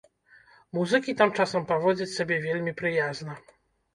Музыкі тым часам паводзяць сябе вельмі прыязна.